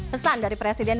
pesan dari presiden